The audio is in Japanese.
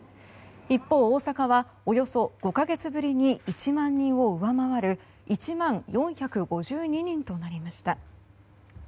一方、大阪はおよそ５か月ぶりに１万人を上回る１万４５２人となりました。